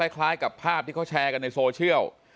คล้ายกับภาพที่เขาแชร์กันในโซเชียล